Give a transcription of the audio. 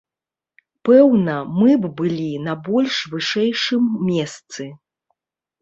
Пэўна, мы б былі на больш вышэйшым месцы.